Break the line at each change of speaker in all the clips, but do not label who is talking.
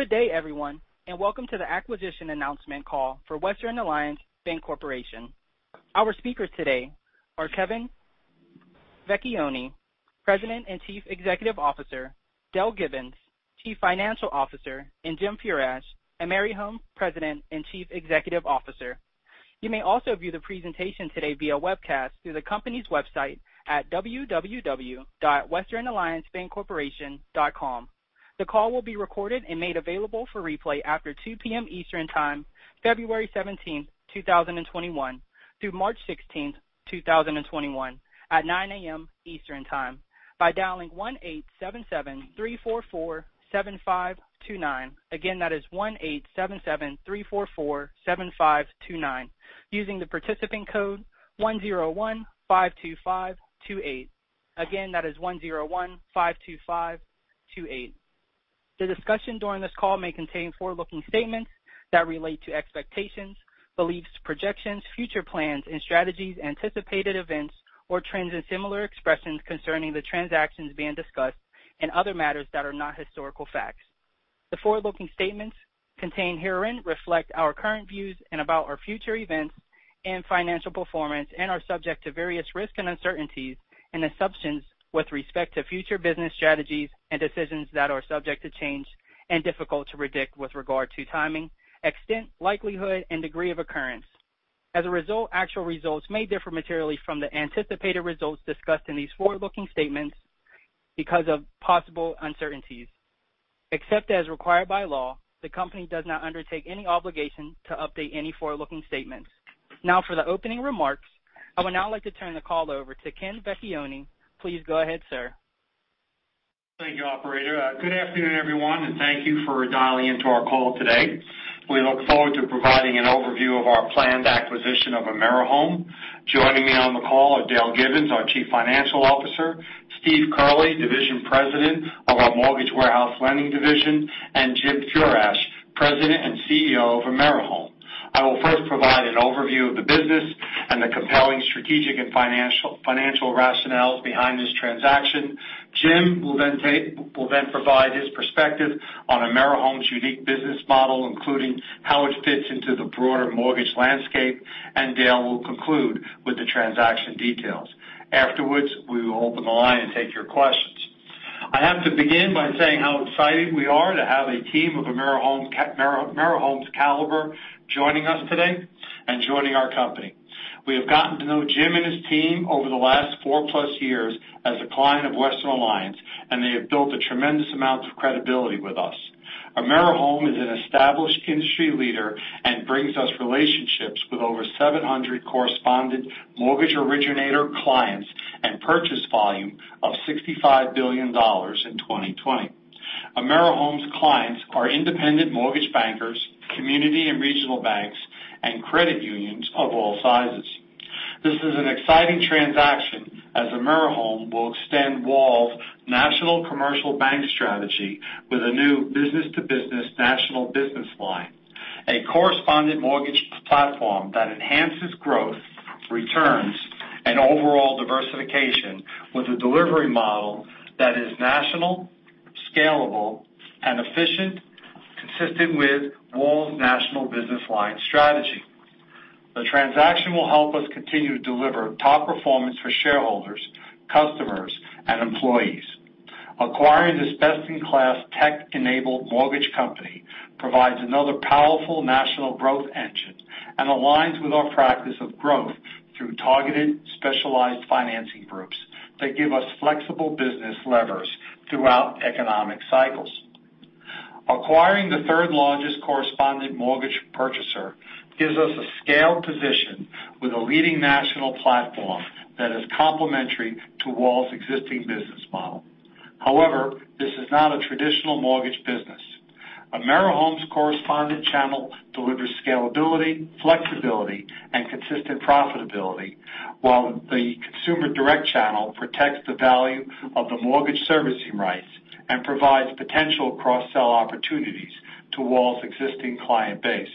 Good day, everyone, welcome to the acquisition announcement call for Western Alliance Bancorporation. Our speakers today are Ken Vecchione, President and Chief Executive Officer, Dale Gibbons, Chief Financial Officer, and Jim Furash, AmeriHome President and Chief Executive Officer. You may also view the presentation today via webcast through the company's website at www.westernalliancebancorporation.com. The call will be recorded and made available for replay after 2:00 P.M. Eastern Time, 17 February 2021 through 16 March, 2021 at 9:00 A.M. Eastern Time by dialing one eight seven seven three four four seven five two nine. Again, that is one eight seven seven three four four seven five two nine, using the participant code one zero one five two five two eight. Again, that is one zero one five two five two eight. The discussion during this call may contain forward-looking statements that relate to expectations, beliefs, projections, future plans and strategies, anticipated events or trends, and similar expressions concerning the transactions being discussed and other matters that are not historical facts. The forward-looking statements contained herein reflect our current views about our future events and financial performance and are subject to various risks and uncertainties and assumptions with respect to future business strategies and decisions that are subject to change and difficult to predict with regard to timing, extent, likelihood, and degree of occurrence. Actual results may differ materially from the anticipated results discussed in these forward-looking statements because of possible uncertainties. Except as required by law, the company does not undertake any obligation to update any forward-looking statements. Now for the opening remarks, I would now like to turn the call over to Ken Vecchione. Please go ahead, sir.
Thank you, operator. Good afternoon, everyone, and thank you for dialing in to our call today. We look forward to providing an overview of our planned acquisition of AmeriHome. Joining me on the call are Dale Gibbons, our Chief Financial Officer, Steve Curley, Division President of our Mortgage Warehouse Lending division, and Jim Furash, President and CEO of AmeriHome. I will first provide an overview of the business and the compelling strategic and financial rationales behind this transaction. Jim will then provide his perspective on AmeriHome's unique business model, including how it fits into the broader mortgage landscape, and Dale will conclude with the transaction details. Afterwards, we will open the line and take your questions. I have to begin by saying how excited we are to have a team of AmeriHome's caliber joining us today and joining our company. We have gotten to know Jim and his team over the last four-plus years as a client of Western Alliance, and they have built a tremendous amount of credibility with us. AmeriHome is an established industry leader and brings us relationships with over 700 correspondent mortgage originator clients and purchase volume of $65 billion in 2020. AmeriHome's clients are independent mortgage bankers, community and regional banks, and credit unions of all sizes. This is an exciting transaction as AmeriHome will extend WAL's national commercial bank strategy with a new business-to-business national business line, a correspondent mortgage platform that enhances growth, returns, and overall diversification with a delivery model that is national, scalable, and efficient, consistent with WAL's national business line strategy. The transaction will help us continue to deliver top performance for shareholders, customers, and employees. Acquiring this best-in-class tech-enabled mortgage company provides another powerful national growth engine and aligns with our practice of growth through targeted, specialized financing groups that give us flexible business levers throughout economic cycles. Acquiring the third largest correspondent mortgage purchaser gives us a scaled position with a leading national platform that is complementary to WAL's existing business model. This is not a traditional mortgage business. AmeriHome's correspondent channel delivers scalability, flexibility, and consistent profitability, while the consumer direct channel protects the value of the mortgage servicing rights and provides potential cross-sell opportunities to WAL's existing client base.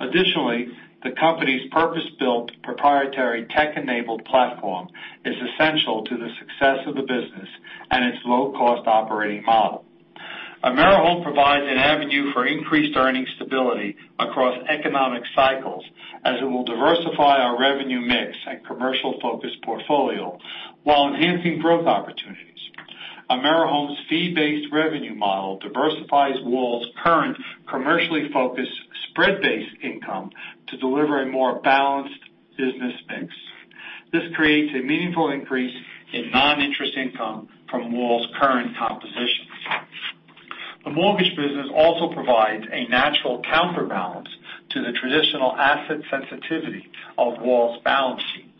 Additionally, the company's purpose-built proprietary tech-enabled platform is essential to the success of the business and its low-cost operating model. AmeriHome provides an avenue for increased earning stability across economic cycles, as it will diversify our revenue mix and commercial focus portfolio while enhancing growth opportunities. AmeriHome's fee-based revenue model diversifies WAL's current commercially focused spread-based income to deliver a more balanced business mix. This creates a meaningful increase in non-interest income from WAL's current composition. The mortgage business also provides a natural counterbalance to the traditional asset sensitivity of WAL's balance sheet.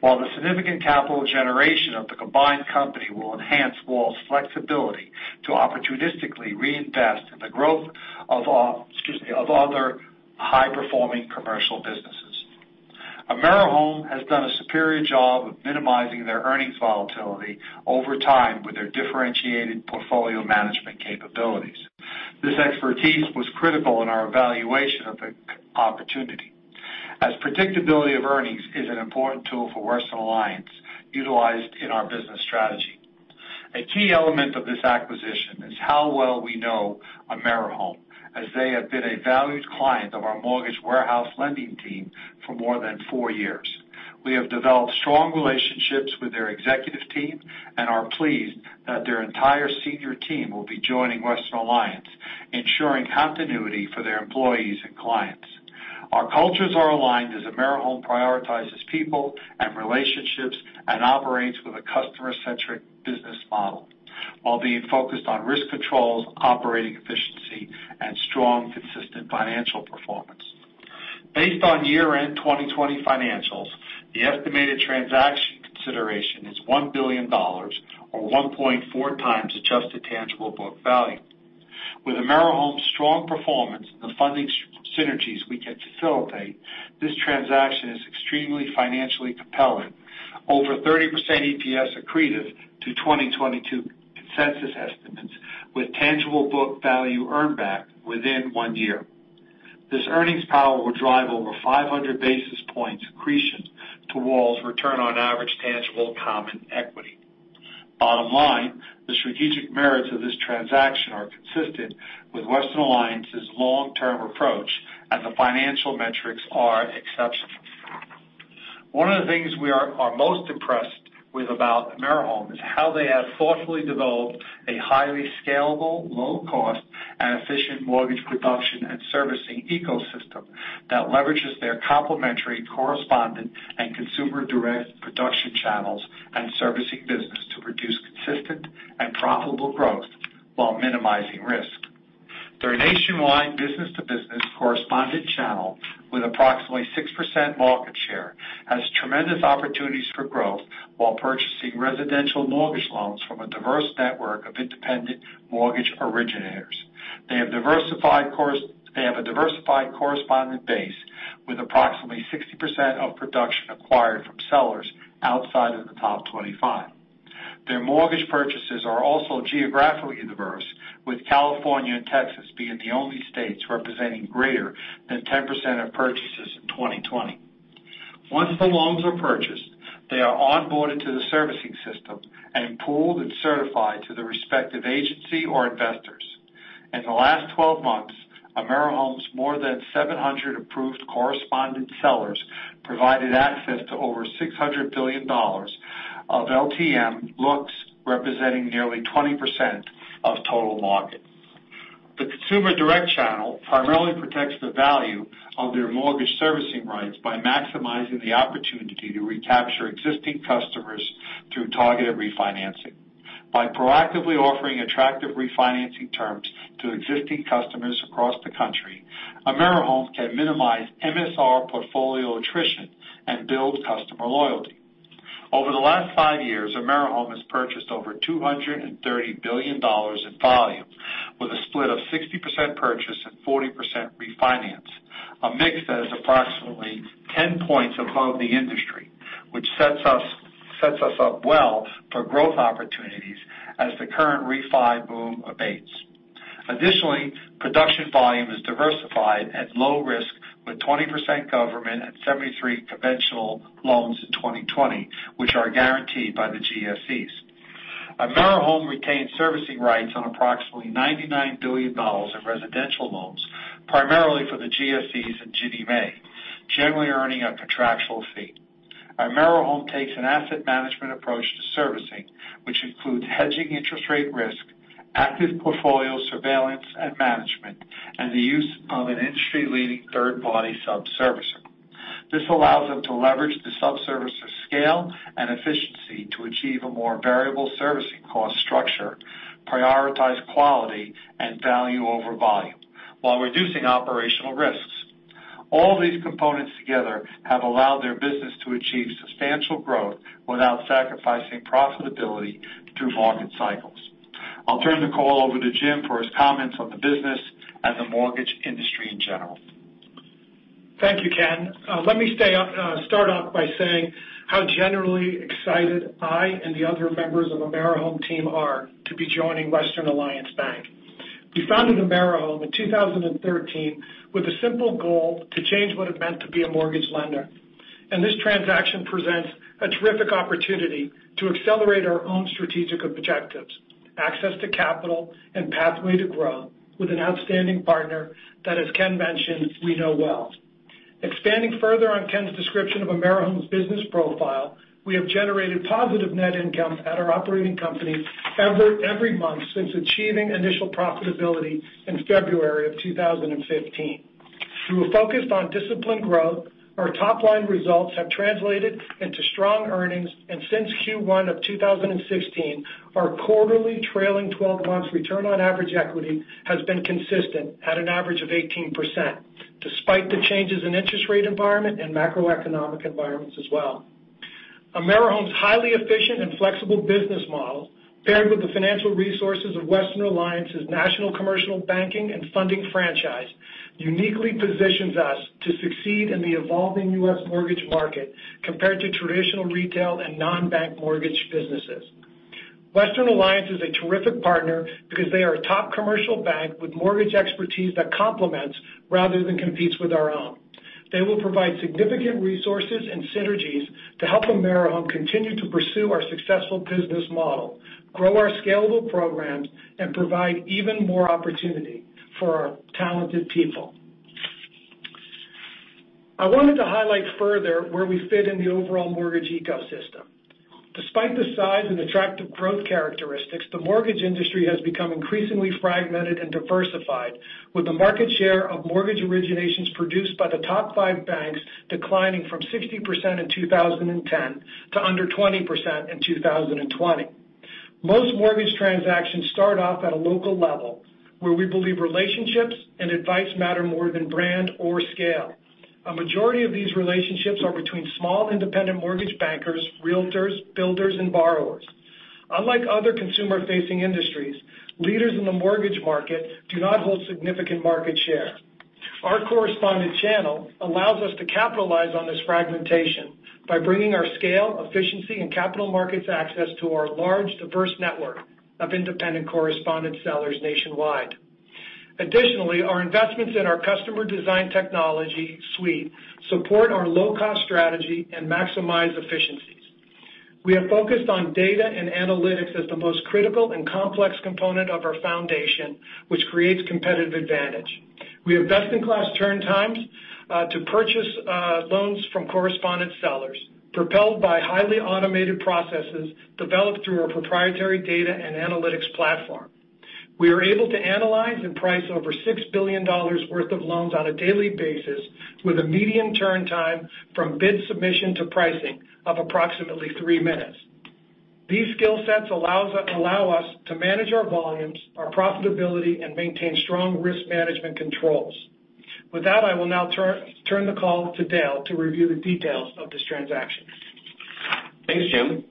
While the significant capital generation of the combined company will enhance WAL's flexibility to opportunistically reinvest in the growth of our, excuse me, of other high-performing commercial businesses. AmeriHome has done a superior job of minimizing their earnings volatility over time with their differentiated portfolio management capabilities. This expertise was critical in our evaluation of the opportunity. As predictability of earnings is an important tool for Western Alliance utilized in our business strategy. A key element of this acquisition is how well we know AmeriHome, as they have been a valued client of our Mortgage Warehouse Lending team for more than four years. We have developed strong relationships with their executive team and are pleased that their entire senior team will be joining Western Alliance, ensuring continuity for their employees and clients. Our cultures are aligned as AmeriHome prioritizes people and relationships and operates with a customer-centric business model, while being focused on risk controls, operating efficiency, and strong, consistent financial performance. Based on year-end 2020 financials, the estimated transaction consideration is $1 billion or 1.4 times adjusted tangible book value. With AmeriHome's strong performance and the funding synergies we can facilitate, this transaction is extremely financially compelling. Over 30% EPS accretive to 2022 consensus estimates with tangible book value earn back within one year. This earnings power will drive over 500 basis points accretion to WAL's return on average tangible common equity. Bottom line, the strategic merits of this transaction are consistent with Western Alliance's long-term approach, and the financial metrics are exceptional. One of the things we are most impressed with about AmeriHome is how they have thoughtfully developed a highly scalable, low cost and efficient mortgage production and servicing ecosystem that leverages their complementary correspondent and consumer direct production channels and servicing business to produce consistent and profitable growth while minimizing risk. Their nationwide business-to-business correspondent channel with approximately 6% market share, has tremendous opportunities for growth while purchasing residential mortgage loans from a diverse network of independent mortgage originators. They have a diversified correspondent base with approximately 60% of production acquired from sellers outside of the top 25. Their mortgage purchases are also geographically diverse, with California and Texas being the only states representing greater than 10% of purchases in 2020. Once the loans are purchased, they are onboarded to the servicing system and pooled and certified to the respective agency or investors. In the last 12 months, AmeriHome's more than 700 approved correspondent sellers provided access to over $600 billion of LTM, [inaudible] representing nearly 20% of total market. The consumer direct channel primarily protects the value of their Mortgage Servicing Rights by maximizing the opportunity to recapture existing customers through targeted refinancing. By proactively offering attractive refinancing terms to existing customers across the country, AmeriHome can minimize MSR portfolio attrition and build customer loyalty. Over the last five years, AmeriHome has purchased over $230 billion in volume with a split of 60% purchase and 40% refinance, a mix that is approximately 10 points above the industry, which sets us up well for growth opportunities as the current refi boom abates. Additionally, production volume is diversified at low risk with 20% government and 73 conventional loans in 2020, which are guaranteed by the GSEs. AmeriHome retains servicing rights on approximately $99 billion of residential loans, primarily for the GSEs and Ginnie Mae, generally earning a contractual fee. AmeriHome takes an asset management approach to servicing, which includes hedging interest rate risk, active portfolio surveillance and management, and the use of an industry-leading third-party sub-servicer. This allows them to leverage the sub-servicer's scale and efficiency to achieve a more variable servicing cost structure, prioritize quality and value over volume while reducing operational risks. All these components together have allowed their business to achieve substantial growth without sacrificing profitability through market cycles. I'll turn the call over to Jim for his comments on the business and the mortgage industry in general.
Thank you, Ken. Let me start off by saying how generally excited I and the other members of AmeriHome team are to be joining Western Alliance Bank. We founded AmeriHome in 2013 with a simple goal to change what it meant to be a mortgage lender. This transaction presents a terrific opportunity to accelerate our own strategic objectives, access to capital, and pathway to growth with an outstanding partner that, as Ken mentioned, we know well. Expanding further on Ken's description of AmeriHome's business profile, we have generated positive net income at our operating company every month since achieving initial profitability in February of 2015. Through a focus on disciplined growth, our top-line results have translated into strong earnings, and since Q1 of 2016, our quarterly trailing 12 months return on average equity has been consistent at an average of 18%, despite the changes in interest rate environment and macroeconomic environments as well. AmeriHome's highly efficient and flexible business model, paired with the financial resources of Western Alliance's National Commercial Banking and Funding franchise, uniquely positions us to succeed in the evolving U.S. mortgage market compared to traditional retail and non-bank mortgage businesses. Western Alliance is a terrific partner because they are a top commercial bank with mortgage expertise that complements rather than competes with our own. They will provide significant resources and synergies to help AmeriHome continue to pursue our successful business model, grow our scalable programs, and provide even more opportunity for our talented people. I wanted to highlight further where we fit in the overall mortgage ecosystem. Despite the size and attractive growth characteristics, the mortgage industry has become increasingly fragmented and diversified, with the market share of mortgage originations produced by the top five banks declining from 60% in 2010 to under 20% in 2020. Most mortgage transactions start off at a local level, where we believe relationships and advice matter more than brand or scale. A majority of these relationships are between small independent mortgage bankers, realtors, builders, and borrowers. Unlike other consumer-facing industries, leaders in the mortgage market do not hold significant market share. Our correspondent channel allows us to capitalize on this fragmentation by bringing our scale, efficiency, and capital markets access to our large, diverse network of independent correspondent sellers nationwide. Our investments in our customer design technology suite support our low-cost strategy and maximize efficiencies. We have focused on data and analytics as the most critical and complex component of our foundation, which creates competitive advantage. We have best-in-class turn times to purchase loans from correspondent sellers, propelled by highly automated processes developed through our proprietary data and analytics platform. We are able to analyze and price over $6 billion worth of loans on a daily basis with a median turn time from bid submission to pricing of approximately three minutes. These skill sets allow us to manage our volumes, our profitability, and maintain strong risk management controls. With that, I will now turn the call to Dale to review the details of this transaction.
Thanks, Jim.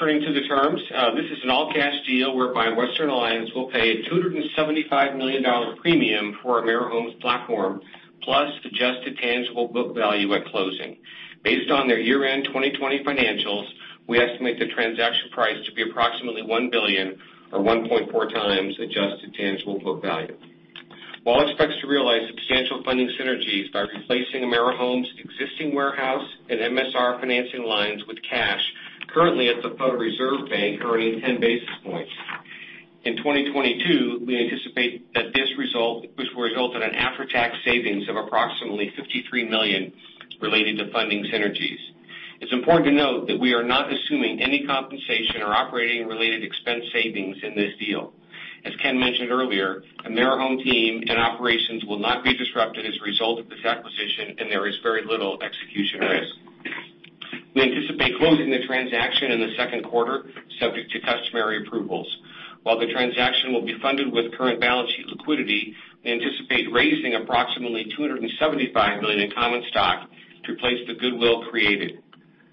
Turning to the terms. This is an an all-cash deal whereby Western Alliance will pay a $275 million premium for AmeriHome's platform, plus adjusted tangible book value at closing. Based on their year-end 2020 financials, we estimate the transaction price to be approximately $1 billion, or 1.4 times adjusted tangible book value. WAL expects to realize substantial funding synergies by replacing AmeriHome's existing warehouse and MSR financing lines with cash currently at the Federal Reserve Bank, earning 10 basis points. In 2022, we anticipate that this result, which will result in an after-tax savings of approximately $53 million related to funding synergies. It's important to note that we are not assuming any compensation or operating-related expense savings in this deal. As Ken mentioned earlier, AmeriHome team and operations will not be disrupted as a result of this acquisition, and there is very little execution risk. We anticipate closing the transaction in the second quarter, subject to customary approvals. While the transaction will be funded with current balance sheet liquidity, we anticipate raising approximately $275 million in common stock to replace the goodwill created.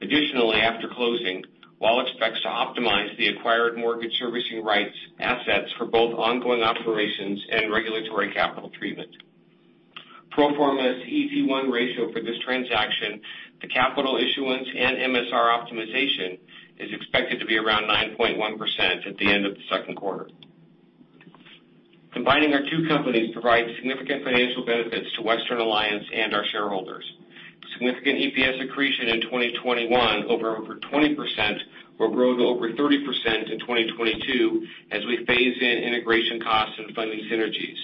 Additionally, after closing, WAL expects to optimize the acquired MSR assets for both ongoing operations and regulatory capital treatment. Pro forma CET1 ratio for this transaction, the capital issuance, and MSR optimization is expected to be around 9.1% at the end of the second quarter. Combining our two companies provides significant financial benefits to Western Alliance and our shareholders. Significant EPS accretion in 2021 over 20% will grow to over 30% in 2022 as we phase in integration costs and funding synergies.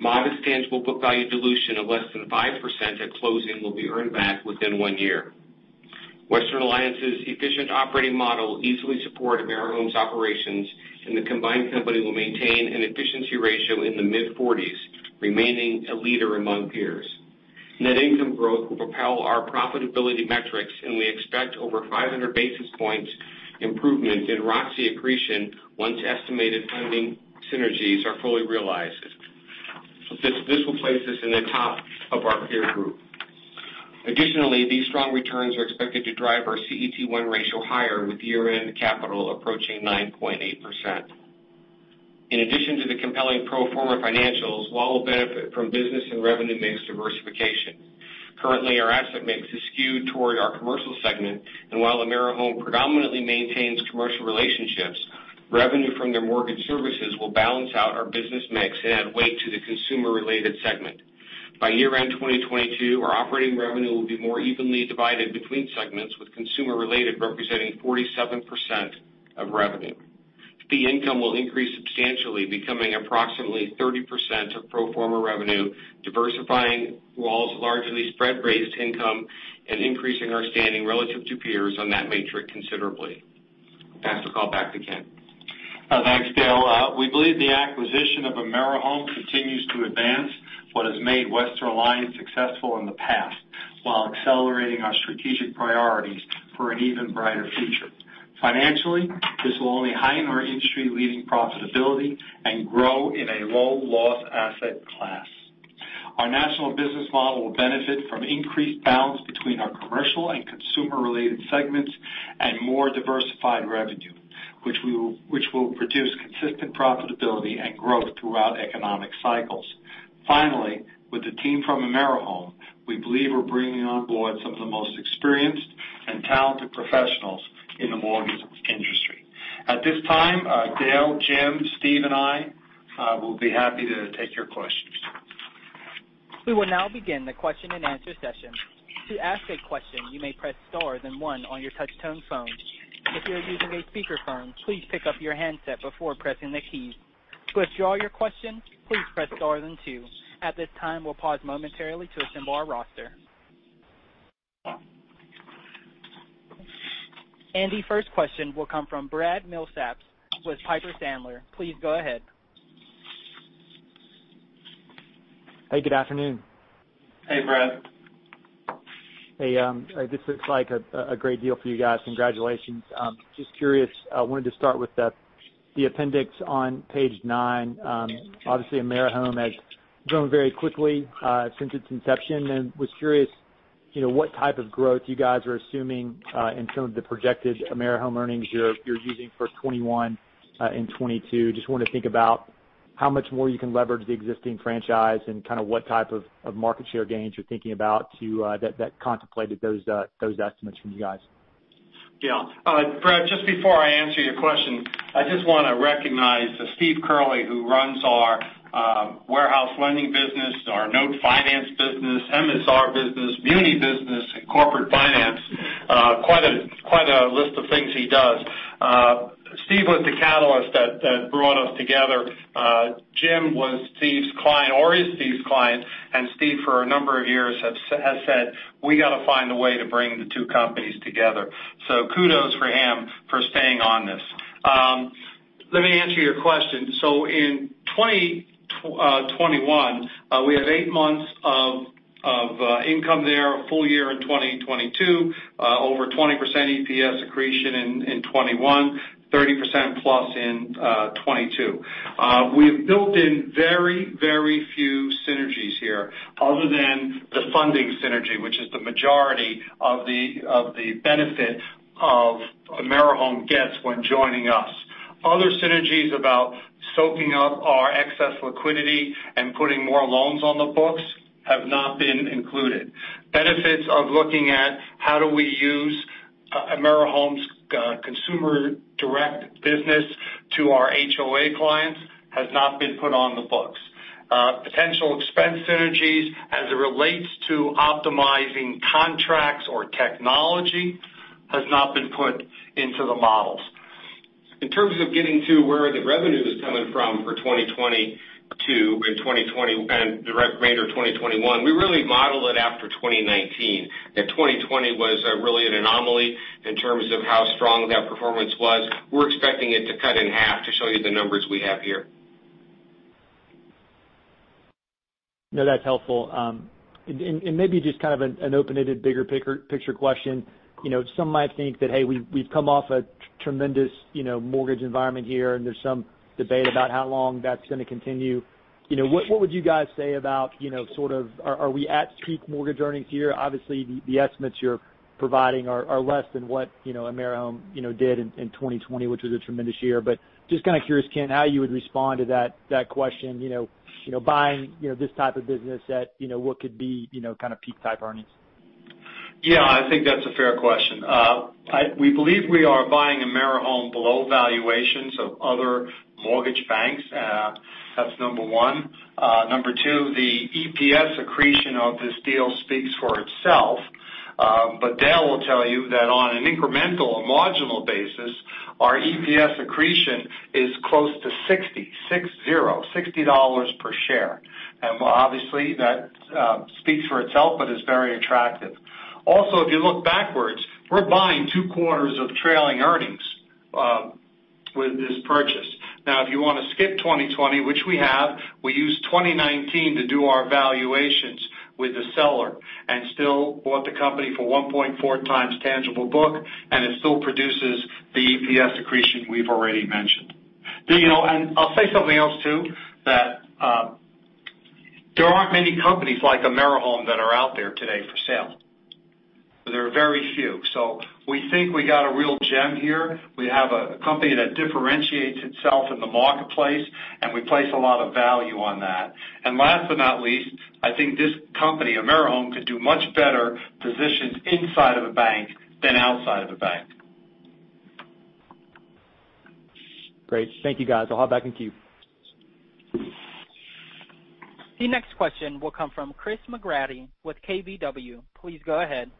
Modest tangible book value dilution of less than 5% at closing will be earned back within one year. Western Alliance's efficient operating model will easily support AmeriHome's operations, and the combined company will maintain an efficiency ratio in the mid-40s, remaining a leader among peers. Net income growth will propel our profitability metrics, and we expect over 500 basis points improvement in ROATCE accretion once estimated funding synergies are fully realized. This will place us in the top of our peer group. Additionally, these strong returns are expected to drive our CET1 ratio higher with year-end capital approaching 9.8%. In addition to the compelling pro forma financials, WAL will benefit from business and revenue mix diversification. Currently, our asset mix is skewed toward our commercial segment, and while AmeriHome predominantly maintains commercial relationships, revenue from their mortgage services will balance out our business mix and add weight to the consumer-related segment. By year-end 2022, our operating revenue will be more evenly divided between segments, with consumer-related representing 47% of revenue. Fee income will increase substantially, becoming approximately 30% of pro forma revenue, diversifying WAL's largely spread-based income and increasing our standing relative to peers on that metric considerably. I pass the call back to Ken.
Thanks, Dale. We believe the acquisition of AmeriHome continues to advance what has made Western Alliance successful in the past while accelerating our strategic priorities for an even brighter future. Financially, this will only heighten our industry-leading profitability and grow in a low-loss asset class. Our national business model will benefit from increased balance between our commercial and consumer-related segments and more diversified revenue, which will produce consistent profitability and growth throughout economic cycles. Finally, with the team from AmeriHome, we believe we're bringing on board some of the most experienced and talented professionals in the mortgage industry. At this time, Dale, Jim, Steve, and I will be happy to take your questions.
We will now begin the question and answer session. To ask a question, you may press star then one on your touch-tone phone. If you are using a speakerphone, please pick up your handset before pressing the key. To withdraw your question, please press star then two. At this time, we'll pause momentarily to assemble our roster. And the first question will come from Brad Milsaps with Piper Sandler. Please go ahead.
Hey, good afternoon.
Hey, Brad.
Hey, this looks like a great deal for you guys. Congratulations. Just curious, wanted to start with the appendix on page nine. Obviously, AmeriHome has grown very quickly since its inception, and was curious what type of growth you guys are assuming in some of the projected AmeriHome earnings you're using for 2021 and 2022. Just want to think about how much more you can leverage the existing franchise and what type of market share gains you're thinking about that contemplated those estimates from you guys.
Yeah. Brad, just before I answer your question, I just want to recognize Steve Curley, who runs our warehouse lending business, our note finance business, MSR business, beauty business, and corporate finance. Quite a list of things he does. Steve was the catalyst that brought us together. Jim was Steve's client, or is Steve's client, and Steve, for a number of years, has said, "We got to find a way to bring the two companies together." Kudos for him for staying on this. Let me answer your question. In 2021, we have eight months of income there, a full year in 2022, over 20% EPS accretion in 2021, 30% plus in 2022. We've built in very few synergies here other than the funding synergy, which is the majority of the benefit AmeriHome gets when joining us. Other synergies about soaking up our excess liquidity and putting more loans on the books have not been included. Benefits of looking at how do we use AmeriHome's consumer direct business to our HOA clients has not been put on the books. Potential expense synergies as it relates to optimizing contracts or technology has not been put into the models.
In terms of getting to where the revenue is coming from for 2022 and the remainder of 2021, we really modeled it after 2019. 2020 was really an anomaly in terms of how strong that performance was. We're expecting it to cut in half to show you the numbers we have here.
No, that's helpful. Maybe just kind of an open-ended, bigger-picture question. Some might think that, hey, we've come off a tremendous mortgage environment here, and there's some debate about how long that's going to continue. What would you guys say about sort of are we at peak mortgage earnings here? Obviously, the estimates you're providing are less than what AmeriHome did in 2020, which was a tremendous year. Just kind of curious, Ken, how you would respond to that question, buying this type of business at what could be kind of peak-type earnings.
Yeah, I think that's a fair question. We believe we are buying AmeriHome below valuations of other mortgage banks. That's number one. Number two, the EPS accretion of this deal speaks for itself. Dale will tell you that on an incremental or marginal basis, our EPS accretion is close to 60, six zero, $60 per share. Obviously, that speaks for itself but is very attractive. Also, if you look backwards, we're buying two quarters of trailing earnings with this purchase. Now, if you want to skip 2020, which we have, we used 2019 to do our valuations with the seller and still bought the company for 1.4 times tangible book, and it still produces the EPS accretion we've already mentioned. I'll say something else, too, that there aren't many companies like AmeriHome that are out there today for sale. There are very few.
We think we got a real gem here. We have a company that differentiates itself in the marketplace, and we place a lot of value on that. Last but not least, I think this company, AmeriHome, could do much better positioned inside of a bank than outside of a bank.
Great. Thank you, guys. I'll hop back in queue.
The next question will come from Chris McGratty with KBW. Please go ahead.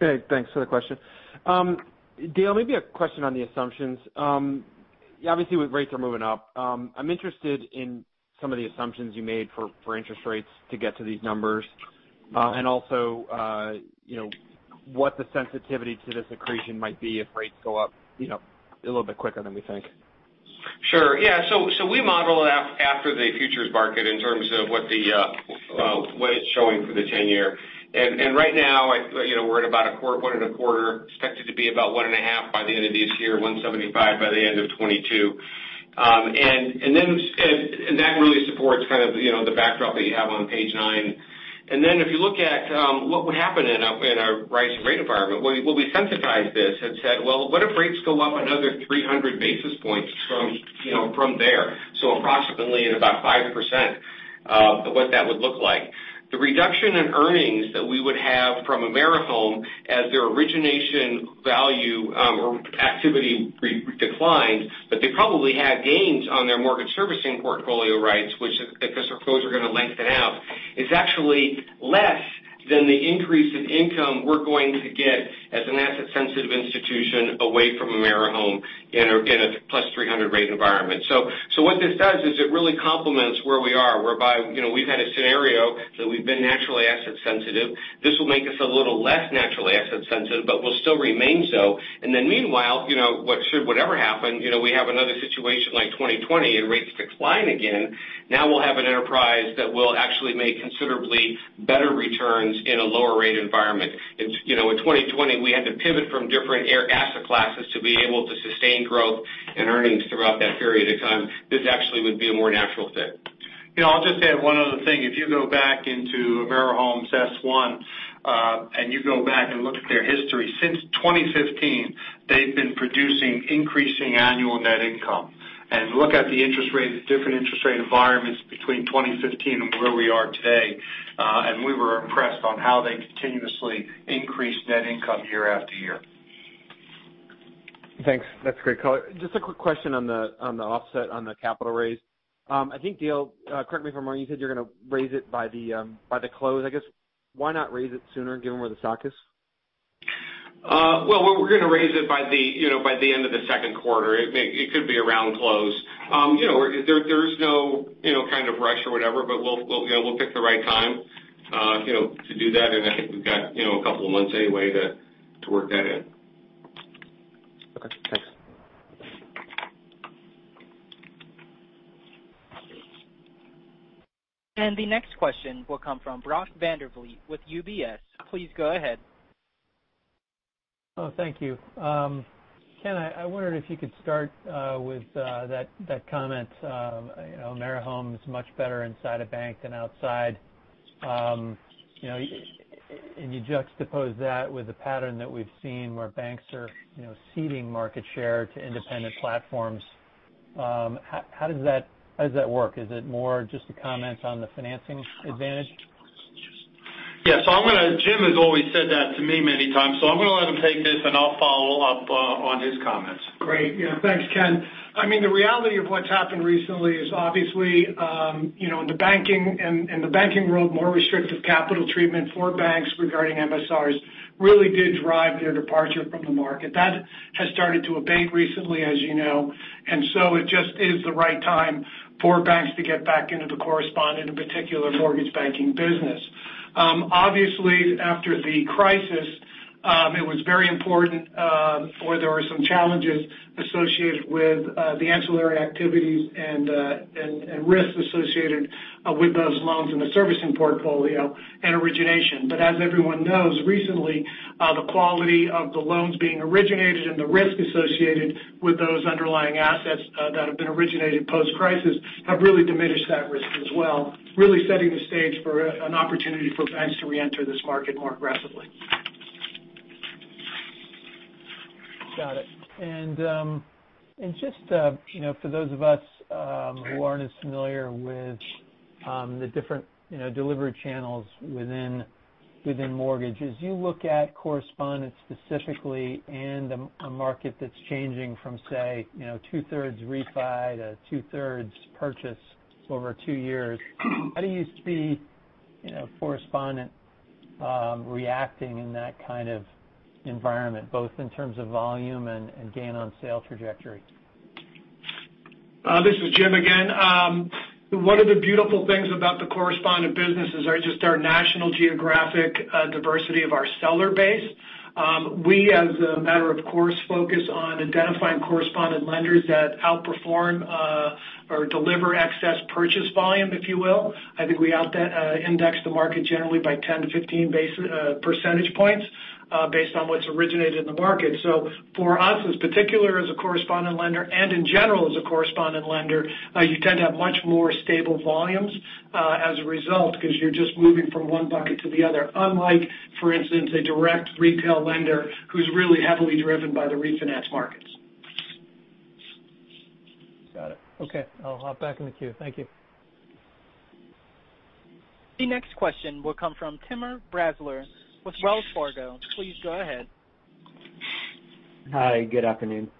Hey, thanks for the question. Dale, maybe a question on the assumptions. Obviously, with rates are moving up. I'm interested in some of the assumptions you made for interest rates to get to these numbers. also, what the sensitivity to this accretion might be if rates go up a little bit quicker than we think.
Sure. Yeah. We model after the futures market in terms of what it's showing for the 10-year. Right now, we're at about a point and a quarter, expected to be about one and a half by the end of this year, 175 by the end of 2022. That really supports kind of the backdrop that you have on page nine if you look at what would happen in a rising rate environment, well, we sensitized this and said, well, what if rates go up another 300 basis points from there? approximately at about 5%, what that would look like. The reduction in earnings that we would have from AmeriHome as their origination value or activity declines, but they probably have gains on their mortgage servicing portfolio rights, because those are going to lengthen out, is actually less than the increase in income we're going to get as an asset-sensitive institution away from AmeriHome in a plus 300 rate environment. what this does is it really complements where we are, whereby we've had a scenario that we've been naturally asset sensitive. This will make us a little less naturally asset sensitive, but we'll still remain so. meanwhile, should whatever happen, we have another situation like 2020 and rates decline again, now we'll have an enterprise that will actually make considerably better returns in a lower rate environment. In 2020, we had to pivot from different asset classes to be able to sustain growth and earnings throughout that period of time. This actually would be a more natural fit.
I'll just add one other thing. If you go back into AmeriHome's S1, and you go back and look at their history, since 2015, they've been producing increasing annual net income. Look at the different interest rate environments between 2015 and where we are today, and we were impressed on how they continuously increased net income year after year.
Thanks. That's great color. Just a quick question on the offset on the capital raise. I think, Dale, correct me if I'm wrong, you said you're going to raise it by the close. I guess, why not raise it sooner given where the stock is?
Well, we're going to raise it by the end of the second quarter. It could be around close. There is no kind of rush or whatever, but we'll pick the right time to do that. I think we've got a couple of months anyway to work that in.
Okay, thanks.
The next question will come from Brock Vandervliet with UBS. Please go ahead.
Oh, thank you. Ken, I wondered if you could start with that comment, AmeriHome is much better inside a bank than outside. You juxtapose that with the pattern that we've seen where banks are ceding market share to independent platforms. How does that work? Is it more just a comment on the financing advantage?
Yeah. Jim has always said that to me many times, so I'm going to let him take this and I'll follow up on his comments.
Great. Yeah. Thanks, Ken. The reality of what's happened recently is obviously in the banking world, more restrictive capital treatment for banks regarding MSRs really did drive their departure from the market. That has started to abate recently, as you know. It just is the right time for banks to get back into the correspondent, in particular, mortgage banking business. Obviously, after the crisis, it was very important, or there were some challenges associated with the ancillary activities and risks associated with those loans in the servicing portfolio and origination. As everyone knows, recently, the quality of the loans being originated and the risk associated with those underlying assets that have been originated post-crisis have really diminished that risk as well, really setting the stage for an opportunity for banks to reenter this market more aggressively.
Got it. Just for those of us who aren't as familiar with the different delivery channels within mortgages. You look at correspondent specifically in a market that's changing from, say, two-thirds refi to two-thirds purchase over two years. How do you see correspondent reacting in that kind of environment, both in terms of volume and gain on sale trajectory?
This is Jim again. One of the beautiful things about the correspondent business is just our national geographic diversity of our seller base. We, as a matter of course, focus on identifying correspondent lenders that outperform or deliver excess purchase volume, if you will. I think we out index the market generally by 10 to 15 percentage points based on what's originated in the market. for us, as particular as a correspondent lender, and in general as a correspondent lender, you tend to have much more stable volumes as a result because you're just moving from one bucket to the other. Unlike, for instance, a direct retail lender who's really heavily driven by the refinance markets.
Got it. Okay, I'll hop back in the queue. Thank you.
The next question will come from Timur Braziler with Wells Fargo. Please go ahead.
Hi, good afternoon.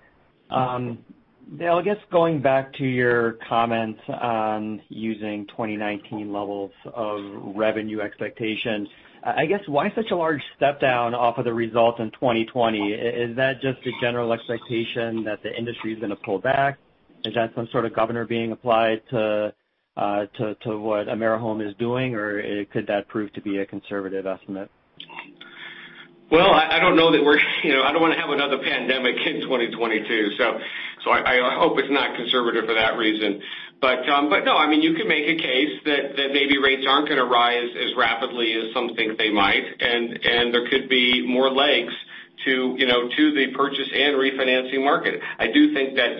Dale, I guess going back to your comment on using 2019 levels of revenue expectations. I guess why such a large step down off of the results in 2020? Is that just a general expectation that the industry is going to pull back? Is that some sort of governor being applied to what AmeriHome is doing? Could that prove to be a conservative estimate?
Well, I don't want to have another pandemic in 2022. I hope it's not conservative for that reason. no, you could make a case that maybe rates aren't going to rise as rapidly as some think they might, and there could be more legs to the purchase and refinancing market. I do think that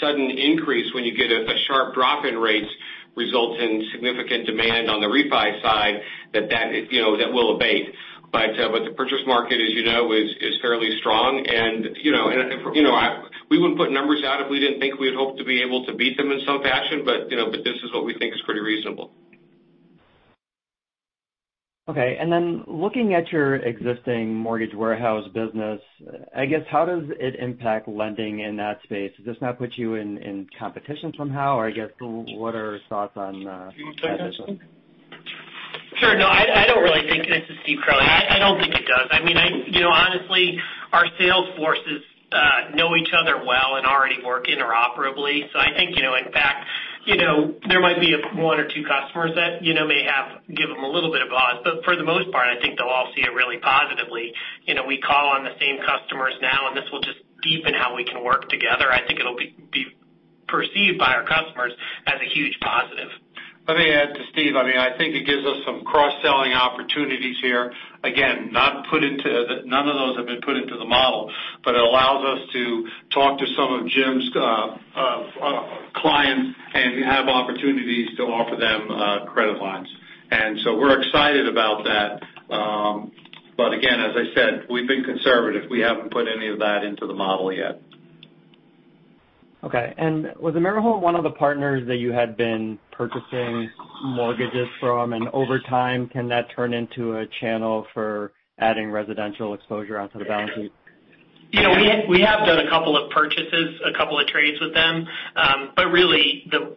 sudden increase when you get a sharp drop in rates results in significant demand on the refi side that will abate. The purchase market, as you know, is fairly strong. We wouldn't put numbers out if we didn't think we would hope to be able to beat them in some fashion, but this is what we think is pretty reasonable.
Okay. looking at your existing mortgage warehouse business, I guess how does it impact lending in that space? Does this now put you in competition somehow? I guess, what are your thoughts on that?
Sure. No, I don't really think this is Steve Curley. I don't think it does. Honestly, our sales forces know each other well and already work interoperably. I think, in fact, there might be one or two customers that may give them a little bit of pause. For the most part, I think they'll all see it really positively. We call on the same customers now, and this will just deepen how we can work together. I think it'll be perceived by our customers as a huge positive.
Let me add to Steve. I think it gives us some cross-selling opportunities here. Again, none of those have been put into the model, but it allows us to talk to some of Jim's clients and have opportunities to offer them credit lines. We're excited about that. Again, as I said, we've been conservative. We haven't put any of that into the model yet.
Okay. was AmeriHome one of the partners that you had been purchasing mortgages from? over time, can that turn into a channel for adding residential exposure onto the balance sheet?
We have done a couple of purchases, a couple of trades with them. Really, the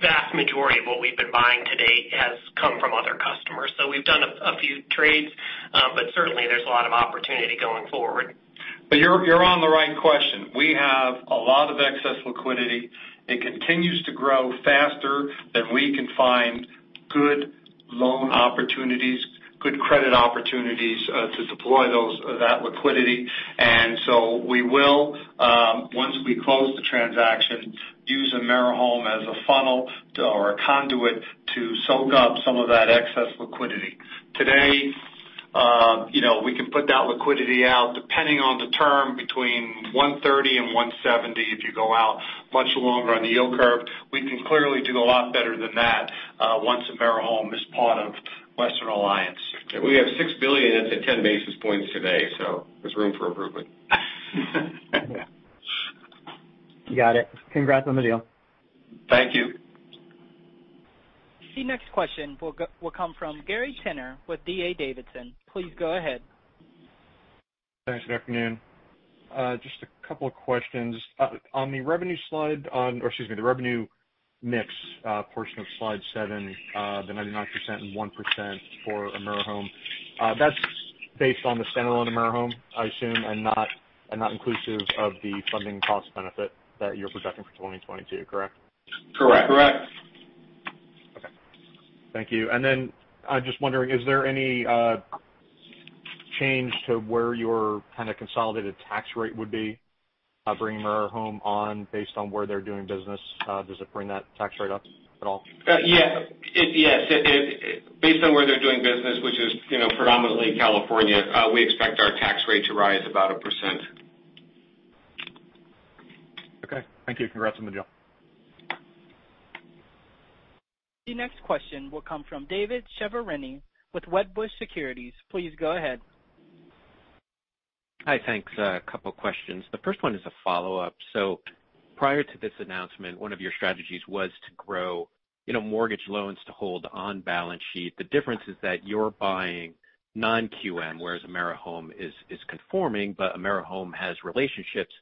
vast majority of what we've been buying to date has come from other customers. We've done a few trades, but certainly there's a lot of opportunity going forward.
you're on the right question. We have a lot of excess liquidity. It continues to grow faster than we can find good loan opportunities, good credit opportunities to deploy that liquidity. we will, once we close the transaction, use AmeriHome as a funnel or a conduit to soak up some of that excess liquidity. Today, we can put that liquidity out depending on the term between 130 and 170. If you go out much longer on the yield curve, we can clearly do a lot better than that once AmeriHome is part of Western Alliance.
We have $6 billion at the 10 basis points today, so there's room for improvement.
Got it. Congrats on the deal.
Thank you.
The next question will come from Gary Tenner with D.A. Davidson. Please go ahead.
Thanks. Good afternoon. Just a couple of questions. On the revenue mix portion of slide seven, the 99% and 1% for AmeriHome. That's based on the stand-alone AmeriHome, I assume, and not inclusive of the funding cost benefit that you're projecting for 2022, correct?
Correct.
Correct.
Okay. Thank you. I'm just wondering, is there any change to where your kind of consolidated tax rate would be bringing AmeriHome on based on where they're doing business? Does it bring that tax rate up at all?
Yes. Based on where they're doing business, which is predominantly in California, we expect our tax rate to rise about a percent.
Okay. Thank you. Congrats on the deal.
The next question will come from David Chiaverini with Wedbush Securities. Please go ahead.
Hi. Thanks. A couple questions. The first one is a follow-up. Prior to this announcement, one of your strategies was to grow mortgage loans to hold on balance sheet. The difference is that you're buying non-QM, whereas AmeriHome is conforming, but AmeriHome has relationships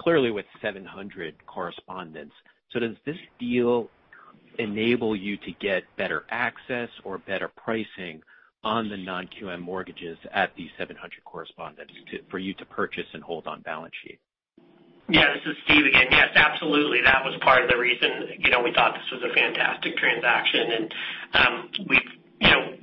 clearly with 700 correspondents. Does this deal enable you to get better access or better pricing on the non-QM mortgages at the 700 correspondents for you to purchase and hold on balance sheet?
Yeah, this is Steve again. Yes, absolutely. That was part of the reason we thought this was a fantastic transaction.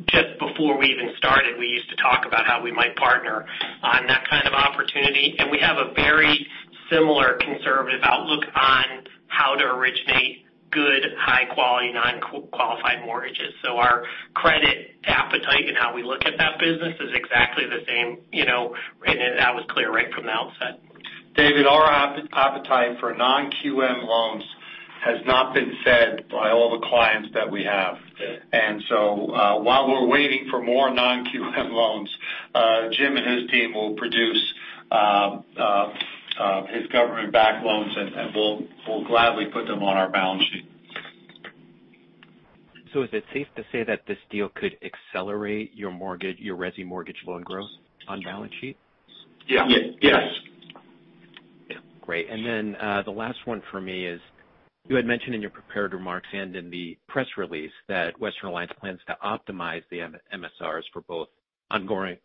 Just before we even started, we used to talk about how we might partner on that kind of opportunity. We have a very similar conservative outlook on how to originate good, high-quality, non-qualified mortgages. Our credit appetite and how we look at that business is exactly the same, and that was clear right from the outset.
David, our appetite for non-QM loans has not been fed by all the clients that we have. While we're waiting for more non-QM loans, Jim and his team will produce his government-backed loans, and we'll gladly put them on our balance sheet.
Is it safe to say that this deal could accelerate your resi mortgage loan growth on balance sheet?
Yeah.
Yes.
Great. The last one for me is, you had mentioned in your prepared remarks and in the press release that Western Alliance plans to optimize the MSRs for both ongoing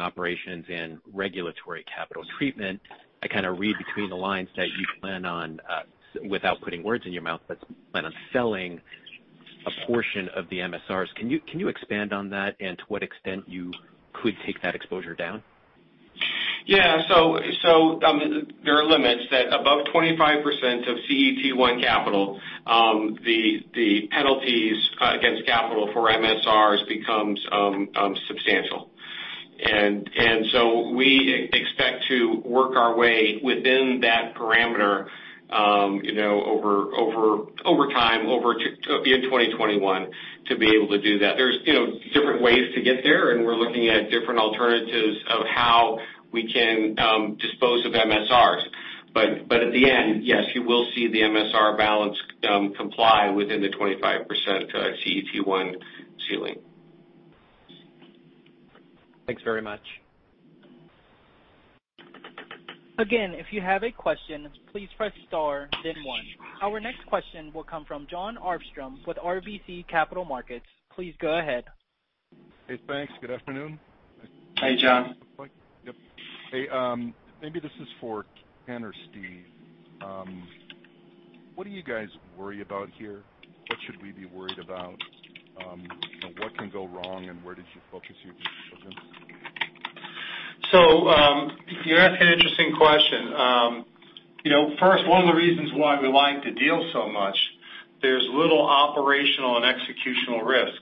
operations and regulatory capital treatment. I kind of read between the lines that you plan on, without putting words in your mouth, but plan on selling a portion of the MSRs. Can you expand on that and to what extent you could take that exposure down?
Yeah. There are limits that above 25% of CET1 capital the penalties against capital for MSRs becomes substantial. We expect to work our way within that parameter over time, over to end 2021, to be able to do that. There's different ways to get there, and we're looking at different alternatives of how we can dispose of MSRs. At the end, yes, you will see the MSR balance comply within the 25% CET1 ceiling.
Thanks very much.
Again, if you have a question, please press star then one. Our next question will come from Jon Arfstrom with RBC Capital Markets. Please go ahead.
Hey, thanks. Good afternoon.
Hi, Jon.
Yep. Hey, maybe this is for Ken or Steve. What do you guys worry about here? What should we be worried about? What can go wrong, and where did you focus your due diligence?
You ask an interesting question. First, one of the reasons why we like the deal so much, there's little operational and executional risk.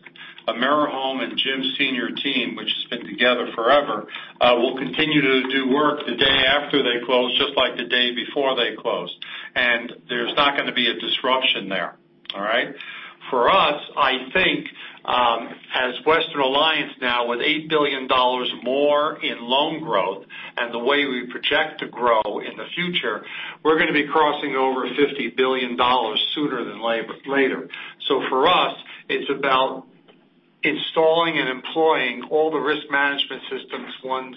AmeriHome and Jim's senior team, which has been together forever, will continue to do work the day after they close, just like the day before they closed. There's not going to be a disruption there. All right? For us, I think as Western Alliance now with $8 billion more in loan growth and the way we project to grow in the future, we're going to be crossing over $50 billion sooner than later. For us, it's about installing and employing all the risk management systems one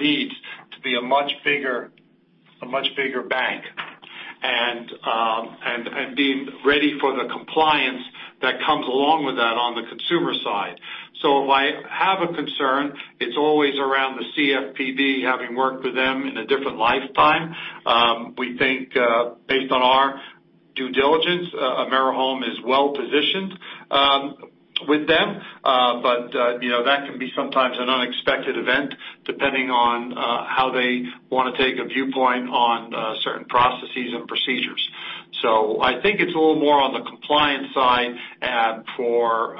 needs to be a much bigger bank, being ready for the compliance that comes along with that on the consumer side. If I have a concern, it's always around the CFPB, having worked with them in a different lifetime. We think based on our due diligence, AmeriHome is well-positioned with them. That can be sometimes an unexpected event depending on how they want to take a viewpoint on certain processes and procedures. I think it's a little more on the compliance side for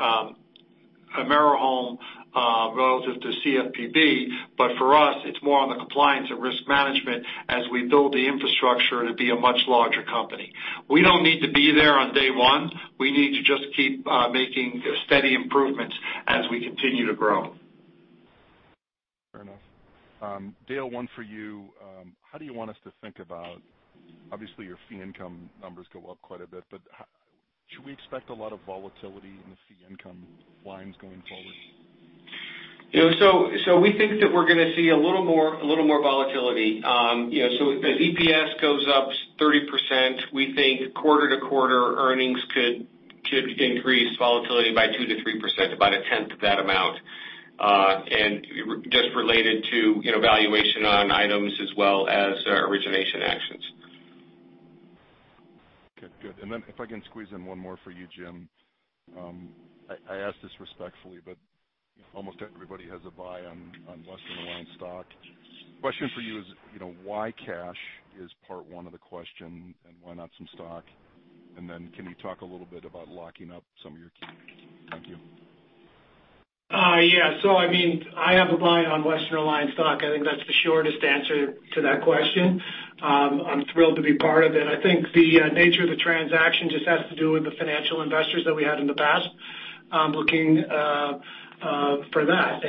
AmeriHome relative to CFPB. For us, it's more on the compliance and risk management as we build the infrastructure to be a much larger company. We don't need to be there on day one. We need to just keep making steady improvements as we continue to grow.
Fair enough. Dale, one for you. How do you want us to think about obviously your fee income numbers go up quite a bit, but should we expect a lot of volatility in the fee income lines going forward?
We think that we're going to see a little more volatility. As EPS goes up 30%, we think quarter-to-quarter earnings could increase volatility by 2%-3%, about a tenth of that amount. Just related to valuation on items as well as origination actions.
Okay, good. If I can squeeze in one more for you, Jim. I ask this respectfully, but almost everybody has a buy on Western Alliance stock. Question for you is, why cash is part one of the question, and why not some stock? Can you talk a little bit about locking up some of your [inaudible] Thank you.
Yeah. I have a buy on Western Alliance stock. I think that's the shortest answer to that question. I'm thrilled to be part of it. I think the nature of the transaction just has to do with the financial investors that we had in the past looking for that.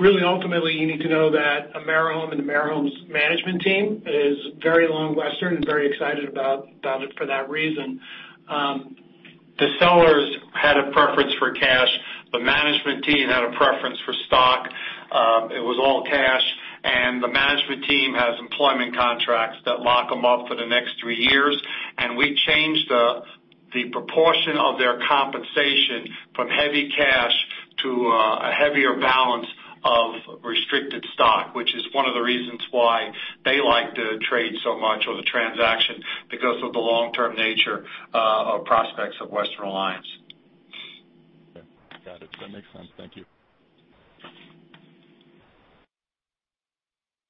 Really ultimately you need to know that AmeriHome and AmeriHome's management team is very long Western and very excited about it for that reason. The sellers had a preference for cash. The management team had a preference for stock. It was all cash, and the management team has employment contracts that lock them up for the next three years. We changed the proportion of their compensation from heavy cash to a heavier balance of restricted stock, which is one of the reasons why they like to trade so much on the transaction because of the long-term nature of prospects of Western Alliance.
Okay. Got it. That makes sense. Thank you.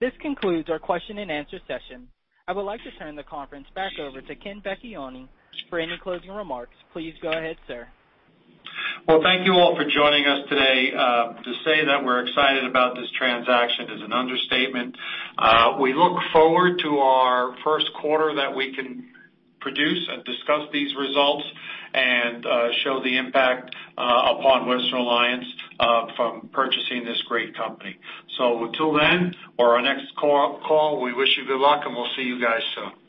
This concludes our question and answer session. I would like to turn the conference back over to Ken Vecchione for any closing remarks. Please go ahead, sir.
Well, thank you all for joining us today. To say that we're excited about this transaction is an understatement. We look forward to our first quarter that we can produce and discuss these results and show the impact upon Western Alliance from purchasing this great company. Till then, or our next call, we wish you good luck, and we'll see you guys soon.